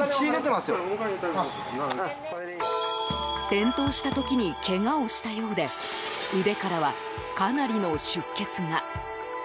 転倒した時にけがをしたようで腕からは、かなりの出血が。